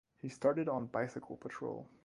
He started on bicycle patrol.